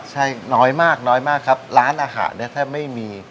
ใช่น้อยมากครับร้านอาหารเนี่ยแทบไม่มีครับผม